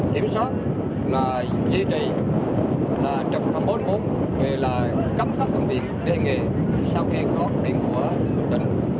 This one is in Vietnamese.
điều đó là duy trì trực thăng bốn bốn về cấm các phương tiện đề nghị sau khi có biển của tỉnh